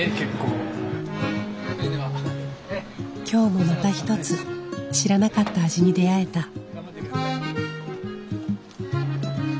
今日もまた一つ知らなかった味に出会えた。